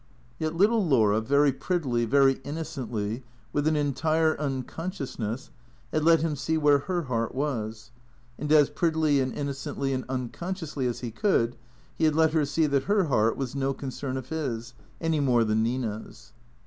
Yet little Laura, very prettily, very innocently, with an entire unconsciousness, had let him see where her heart was. And as prettily and innocently and unconsciously as he could, he had let her see that her heart was no concern of his, any more than Nina's.